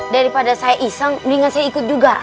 daripada saya iseng mendingan saya ikut juga